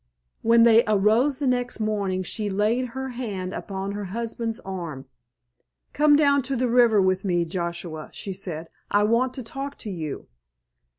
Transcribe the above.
When they arose the next morning she laid her hand upon her husband's arm. "Come down to the river with me, Joshua," she said. "I want to talk to you."